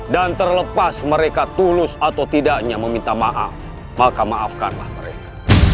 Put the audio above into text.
dan terlepas mereka tulus atau tidaknya meminta maaf maka maafkanlah mereka